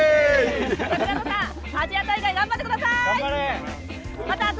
アジア大会頑張ってください。